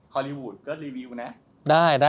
อลลีวูดก็รีวิวนะ